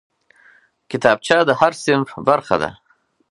کتابچه د هر صنف برخه ده